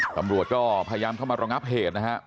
ตำรวจก็พยายามเข้ามาระงับเหตุนะครับ